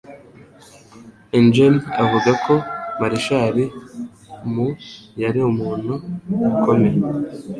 Engen avuga ko Marshall mu yari umuntu ukomeye